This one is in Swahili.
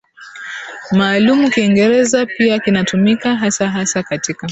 maalumu Kiingereza pia kinatumika hasa hasa katika